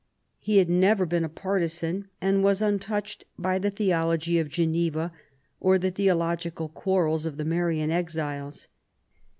He had never been a partisan, and was untouched by the theology of Geneva or the theologi cal quarrels of the Marian exiles.